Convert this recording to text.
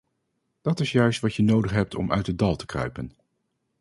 Dat is juist wat je nodig hebt om uit het dal te kruipen.